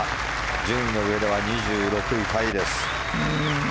順位の上では２６位タイです。